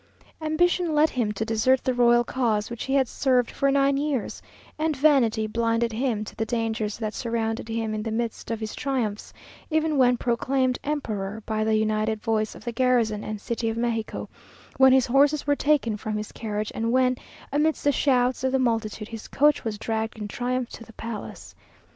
Ambition led him to desert the royal cause which he had served for nine years; and vanity blinded him to the dangers that surrounded him in the midst of his triumphs, even when proclaimed emperor by the united voice of the garrison and city of Mexico when his horses were taken from his carriage, and when, amidst the shouts of the multitude, his coach was dragged in triumph to the palace.